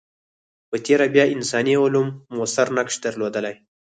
په تېره بیا انساني علوم موثر نقش درلودلی.